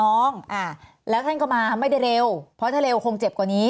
อ่าแล้วท่านก็มาไม่ได้เร็วเพราะถ้าเร็วคงเจ็บกว่านี้